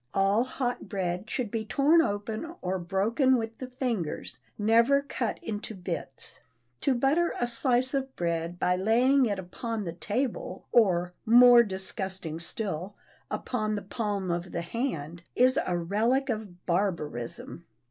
All hot bread should be torn open or broken with the fingers, never cut into bits. To butter a slice of bread by laying it upon the table or, more disgusting still, upon the palm of the hand, is a relic of barbarism.